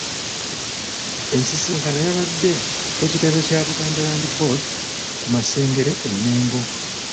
Ensisinkano yabadde ku kitebe kya Buganda Land Board ku Masengere e Mengo.